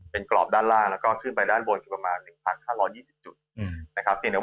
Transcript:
เป็นกรอบด้านล่างแล้วก็ขึ้นไปด้านบนคือประมาณ๑๕๒๐จุดนะครับ